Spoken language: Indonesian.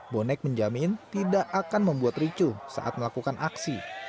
bonek menjamin tidak akan membuat ricuh saat melakukan aksi